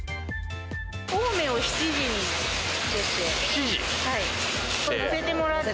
青梅を７時に出て。